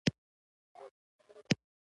فلم باید له پوهاوي سره مرسته وکړي